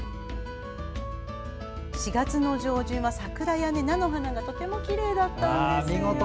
４月の上旬は桜や菜の花がとてもきれいだったんですよ。